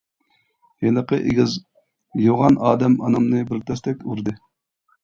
ھېلىقى ئېگىز، يوغان ئادەم ئانامنى بىر تەستەك ئۇردى.